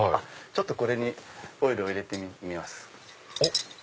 これにオイルを入れてみます。